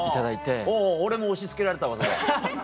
俺も押し付けられたわそれ。